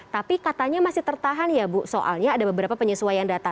tapi katanya masih tertahan ya bu soalnya ada beberapa penyesuaian data